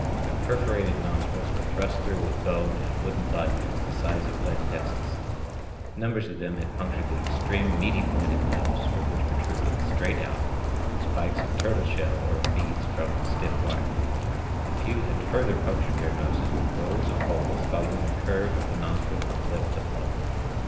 Their perforated nostrils were thrust through with bone and wooden bodkins the size of lead pencils. Numbers of them had punctured the extreme meaty point of the nose, from which protruded, straight out, spikes of turtle shell or of beads strung on stiff wire. A few had further punctured their noses with rows of holes following the curves of the nostrils from lip to point.